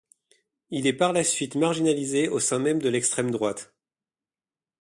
Il est par la suite marginalisé au sein même de l'extrême droite.